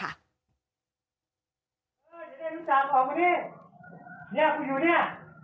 เฮ้ยอย่าได้รู้จักออกมานี่เนี่ยคุณอยู่เนี่ย